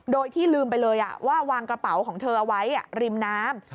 โดยที่ลืมไปเลยว่าวางกระเป๋าของเธอเอาไว้ริมน้ำ